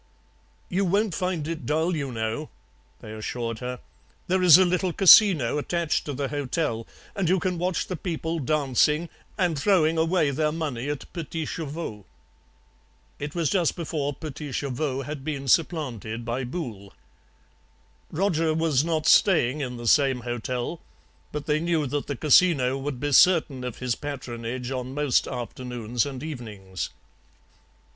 "'You won't find it dull, you know,' they assured her; 'there is a little casino attached to the hotel, and you can watch the people dancing and throwing away their money at PETITS CHEVAUX.' "It was just before PETITS CHEVAUX had been supplanted by BOULE. "Roger was not staying in the same hotel, but they knew that the casino would be certain of his patronage on most afternoons and evenings.